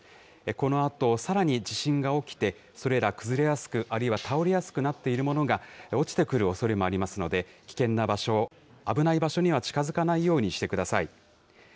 このあと、さらに地震が起きて、それら崩れやすく、あるいは倒れやすくなっているものが落ちてくるおそれもありますので、危険な場所、危ない場所には近づかないようにしてください。